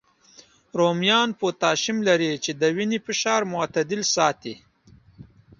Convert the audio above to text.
رومیان پوتاشیم لري، چې د وینې فشار معتدل ساتي